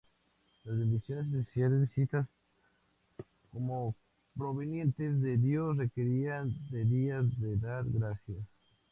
Las bendiciones especiales, vistas como provenientes de Dios, requerían de días de dar gracias.